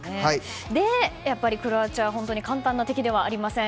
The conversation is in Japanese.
やっぱりクロアチアは簡単な敵ではありません。